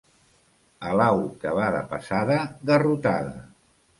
A l'au que va de passada, garrotada.